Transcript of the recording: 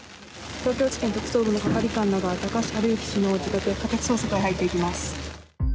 東京地検特捜部の係官らが高橋治之氏の自宅に家宅捜索に入っていきます。